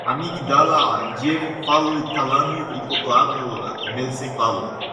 amigdala, diencéfalo, tálamo, hipotálamo, mesencéfalo